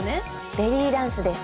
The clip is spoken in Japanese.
ベリーダンスです。